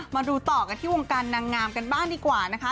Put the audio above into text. มาดูต่อกันที่วงการนางงามกันบ้างดีกว่านะคะ